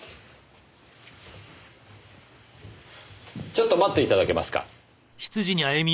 ちょっと待っていただけますか？